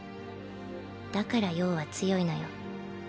だから葉は強いのよ。